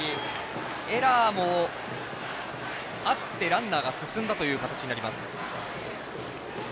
エラーもあってランナーが進んだという形になります。